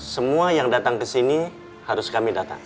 semua yang datang ke sini harus kami datang